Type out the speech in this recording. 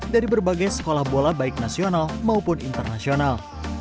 dari berbagai sekolah bola baik nasional maupun internasional